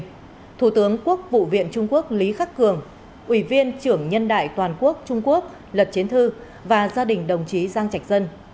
chủ tịch nước tập cận bình thủ tướng quốc vụ viện trung quốc lý khắc cường ủy viên trưởng nhân đại toàn quốc trung quốc lật chiến thư và gia đình đồng chí giang trạch dân